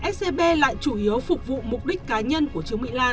scb lại chủ yếu phục vụ mục đích cá nhân của trương mỹ lan